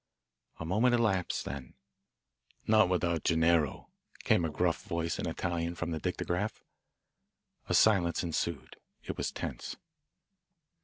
A moment elapsed, then, "Not without Gennaro," came a gruff voice in Italian from the dictograph. A silence ensued. It was tense.